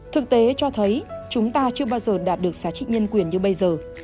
thực tế cho thấy chúng ta chưa bao giờ đạt được giá trị nhân quyền như bây giờ